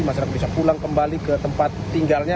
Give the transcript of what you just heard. masyarakat bisa pulang kembali ke tempat tinggalnya